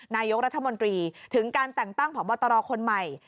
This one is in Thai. นายกรัฐมนตรีถึงการแต่งตั้งพบตรคนใหม่